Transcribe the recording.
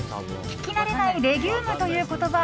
聞き慣れないレギュームという言葉。